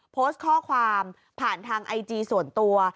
โพสต์ข้อความผ่านทางไอจีส่วนตัว